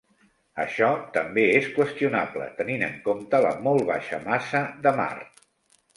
Això també és qüestionable tenint en compte la molt baixa massa de Mart.